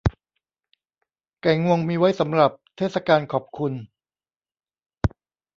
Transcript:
ไก่งวงมีไว้สำหรับเทศกาลขอบคุณ